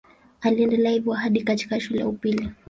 Aliendelea hivyo hadi katika shule ya upili.